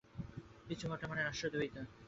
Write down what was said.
পিছু হটা মানে রাষ্ট্রদ্রোহিতা!